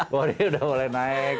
waduh udah mulai naik